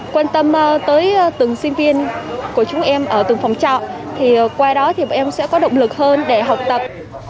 quan tâm tới từng sinh viên của chúng em ở từng phòng trọ thì qua đó thì bọn em sẽ có động lực hơn để học tập